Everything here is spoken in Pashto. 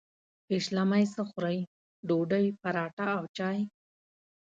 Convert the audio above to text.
پیشلمۍ څه خورئ؟ ډوډۍ، پراټه او چاي